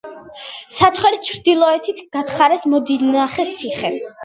საჩხერის ჩრდილოეთით გათხარეს მოდინახეს ციხე.